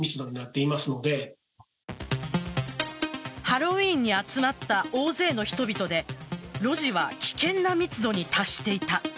ハロウィーンに集まった大勢の人々で路地は危険な密度に達していた。